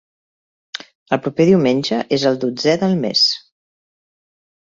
El proper diumenge és el dotzè del més.